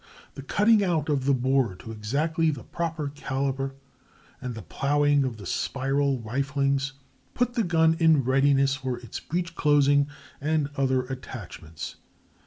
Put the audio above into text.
The cutting out of the bore to exactly the proper caliber and the plowing of the spiral riflings put the gun in readiness for its breech closing and other attachments.